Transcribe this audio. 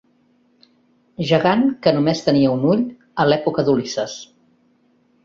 Gegant que només tenia un ull a l'època d'Ulisses.